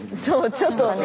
そうちょっと。